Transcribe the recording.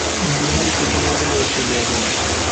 বিহারী কিছু না বলিয়া চলিয়া গেল।